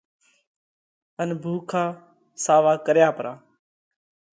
ان ڀُوڪا ساوا ڪريا پرا۔